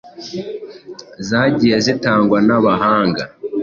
zagiye zitangwa n’abahanga,